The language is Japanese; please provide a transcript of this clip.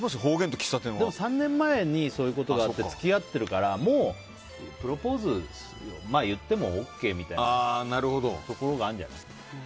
３年前にそういうことがあって付き合っているからもうプロポーズまあ言ってもＯＫみたいなところあるんじゃないですか。